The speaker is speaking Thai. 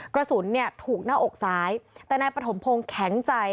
กระสุนเนี่ยถูกหน้าอกซ้ายแต่นายปฐมพงศ์แข็งใจ